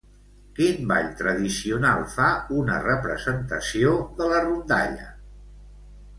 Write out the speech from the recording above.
Quin ball tradicional fa una representació de la rondalla?